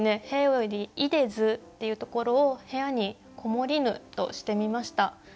「部屋より出でず」っていうところを「部屋にこもりぬ」としてみました。